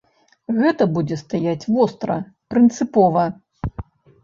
Гэта будзе стаяць востра, прынцыпова.